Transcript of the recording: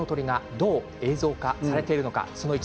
どう映像化されているのでしょうか。